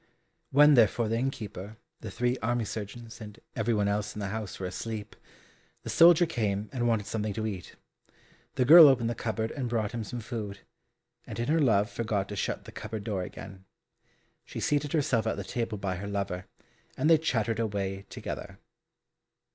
When therefore the innkeeper, the three army surgeons, and everyone else in the house were asleep, the soldier came and wanted something to eat. The girl opened the cupboard and brought him some food, and in her love forgot to shut the cupboard door again; She seated herself at the table by her lover, and they chattered away together.